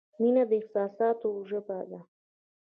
• مینه د احساساتو ژبه ده.